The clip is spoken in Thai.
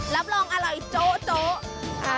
รับรองอร่อยโจ๊ะ